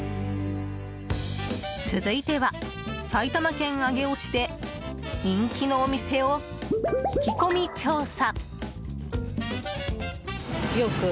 続いては、埼玉県上尾市で人気のお店を聞き込み調査。